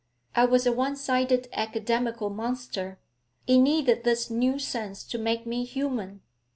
I was a one sided academical monster; it needed this new sense to make me human.